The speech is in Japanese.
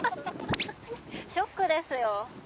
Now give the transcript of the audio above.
・ショックですよ。